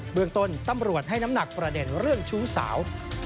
เมืองต้นตำรวจให้น้ำหนักประเด็นเรื่องชู้สาว